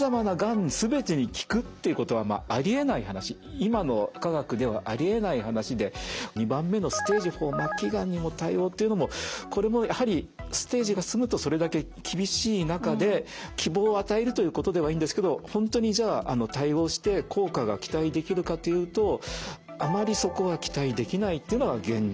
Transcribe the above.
今の科学ではありえない話で２番目の「ステージ４・末期がんにも対応」っていうのもこれもやはりステージが進むとそれだけ厳しい中で希望を与えるということではいいんですけど本当にじゃあ対応して効果が期待できるかというとあまりそこは期待できないというのが現実ですね。